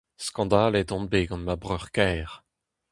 Skandalet on bet gant ma breur-kaer !